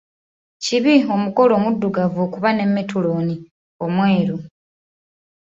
Kibi omugole omuddugavu okuba ne metulooni omweru.